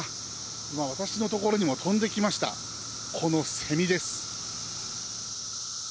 いま、私のところにも飛んできました、このセミです。